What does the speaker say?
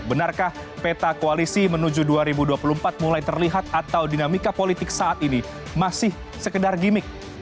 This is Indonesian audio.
benarkah peta koalisi menuju dua ribu dua puluh empat mulai terlihat atau dinamika politik saat ini masih sekedar gimmick